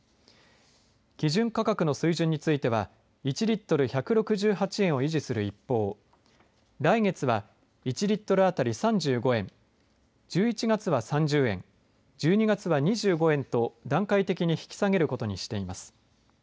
基準価格の水準については１リットル１６８円を維持する一方来月は、１リットル当たり３５円１１月は、３０円１２月は２５円と段階的に引き下げることにしています。